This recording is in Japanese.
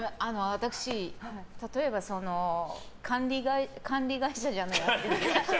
私、例えば管理会社じゃなくて。